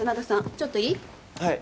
ちょっといい？